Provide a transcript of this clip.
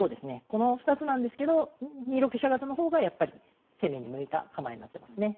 この２つなんですけど２六飛車型の方がやっぱり攻めに向いた構えになってますね。